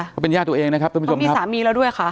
เขาเป็นญาติตัวเองนะครับท่านผู้ชมครับมีสามีแล้วด้วยค่ะ